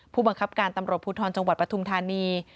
ผู้บังคับการตำรวจภูทรจังหวัดปทุมธานี